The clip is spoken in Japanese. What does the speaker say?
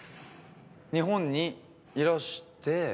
日本にいらして？